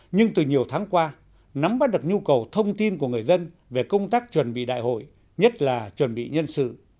nhưng từ nhiều tháng qua nắm bắt được nhu cầu thông tin của người dân về công tác chuẩn bị đại hội nhất là chuẩn bị nhân sự